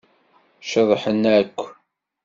Ceḍḥen akk.